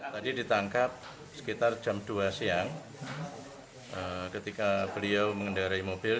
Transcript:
tadi ditangkap sekitar jam dua siang ketika beliau mengendarai mobil